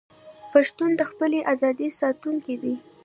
پښتون د خپلې ازادۍ ساتونکی دی.